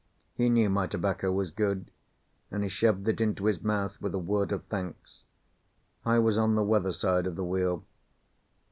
He knew my tobacco was good, and he shoved it into his mouth with a word of thanks. I was on the weather side of the wheel.